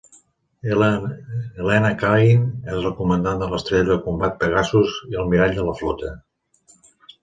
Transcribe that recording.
Helena Cain és la comandant de l'Estrella de Combat "Pegasus" i almirall de la flota.